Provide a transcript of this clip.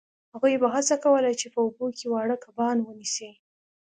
هغوی به هڅه کوله چې په اوبو کې واړه کبان ونیسي